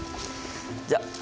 じゃあ。